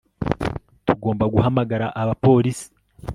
Tugomba guhamagara abapolisi